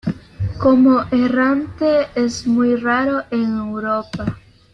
Como errante es muy raro en Europa.